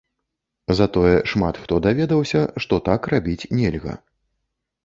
Затое шмат хто даведаўся, што так рабіць нельга.